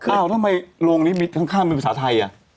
อ้าวทำไมโรงนี้มีข้างเป็นภาษาไทย